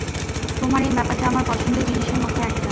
তোমার এই ব্যাপারটা আমার পছন্দের জিনিসের মধ্যে একটা।